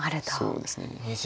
そうですね。